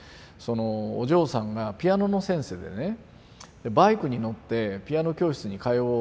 お嬢さんがピアノの先生でねバイクに乗ってピアノ教室に通う。